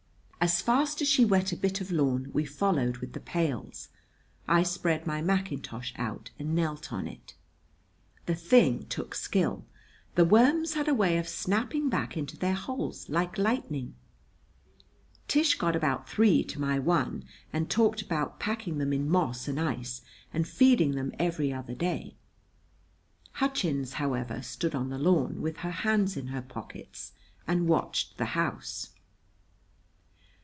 As fast as she wet a bit of lawn, we followed with the pails. I spread my mackintosh out and knelt on it. [Illustration: As fast as she wet a bit of lawn, we followed with the pails] The thing took skill. The worms had a way of snapping back into their holes like lightning. Tish got about three to my one, and talked about packing them in moss and ice, and feeding them every other day. Hutchins, however, stood on the lawn, with her hands in her pockets, and watched the house.